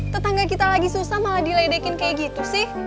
tetangga kita lagi susah malah diledekin kayak gitu sih